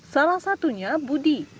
salah satunya budi